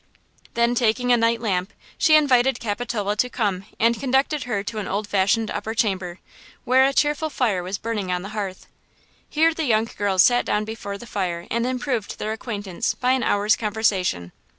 Then, taking a night lamp, she invited Capitola to come and conducted her to an old fashioned upper chamber, where a cheerful fire was burning on the hearth. Here the young girls sat down before the fire and improved their acquaintance by an hour's conversation.